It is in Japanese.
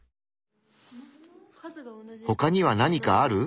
ほかには何かある？